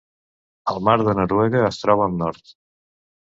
El mar de Noruega es troba al nord.